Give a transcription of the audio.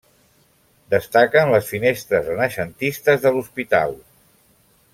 Destaquen les finestres renaixentistes de l'hospital.